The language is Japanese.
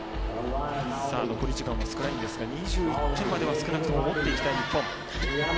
残り時間は少ないんですが２１点までは少なくとも持っていきたい日本。